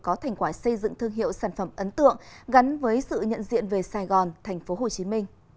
có thành quả xây dựng thương hiệu sản phẩm ấn tượng gắn với sự nhận diện về sài gòn tp hcm